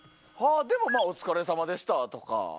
でもお疲れさまでした！とか。